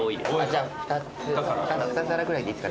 じゃあ２皿ぐらいでいいですかね。